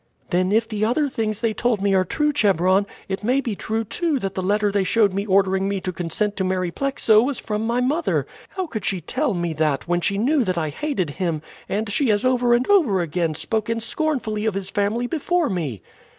"Then if the other things they told me are true, Chebron, it may be true too that the letter they showed me ordering me to consent to marry Plexo was from my mother. How could she tell me that when she knew that I hated him, and she has over and over again spoken scornfully of his family before me?"